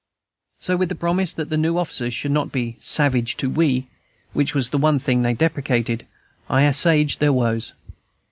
So with the promise that the new officers should not be "savage to we," which was the one thing they deprecated, I assuaged their woes.